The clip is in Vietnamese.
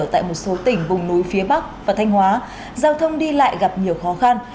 tại một số tỉnh vùng núi phía bắc và thanh hóa giao thông đi lại gặp nhiều khó khăn